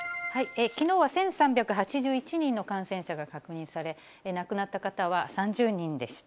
きのうは１３８１人の感染者が確認され、亡くなった方は３０人でした。